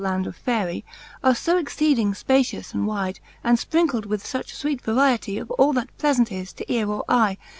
land of Faery, Are fb exceeding fpacious and wyde, And fprinckled with fuch fwcet variety, Of all that plealant is to eare or eye.